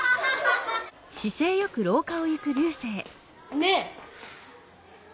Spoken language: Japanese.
ねえ。